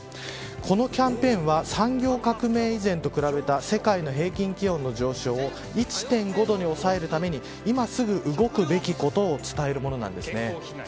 このキャンペーンは産業革命以前と比べた世界の平均気温の上昇を１．５度に抑えるために今すぐ動くべきことを伝えるものなんです。